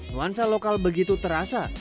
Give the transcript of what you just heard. nuansa lokal begitu terasa